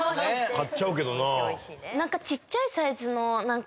買っちゃうけどな。